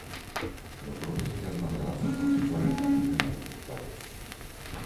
Los brotes tiernos de las hojas se suelen incluir en algunos platos.